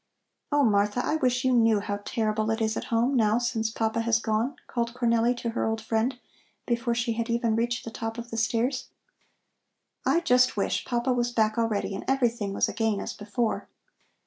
"Oh, Martha, I wish you knew how terrible it is at home now since Papa has gone," called Cornelli to her old friend, before she had even reached the top of the stairs. "I just wish Papa was back already and everything was again as before."